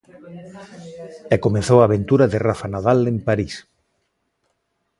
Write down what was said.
E comezou a aventura de Rafa Nadal en París.